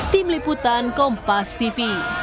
tim liputan kompas tv